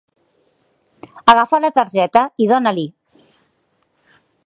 Agafa la targeta i dona-li.